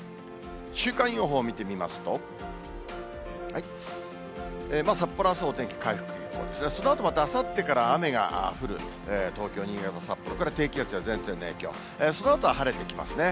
週間予報を見てみますと、札幌はあすお天気回復、そのあとまたあさってから雨が降る、東京、新潟、札幌から低気圧や前線の影響、そのあとは晴れてきますね。